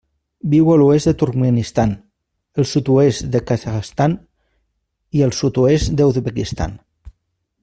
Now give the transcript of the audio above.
Viu a l'oest del Turkmenistan, el sud-oest del Kazakhstan i el sud-oest de l'Uzbekistan.